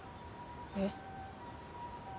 えっ。